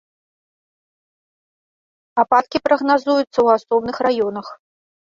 Ападкі прагназуюцца ў асобных раёнах.